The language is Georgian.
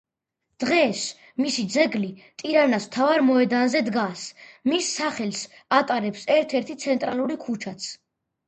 დღეს მისი ძეგლი ტირანას მთავარ მოედანზე დგას, მის სახელს ატარებს ერთ-ერთი ცენტრალური ქუჩაც.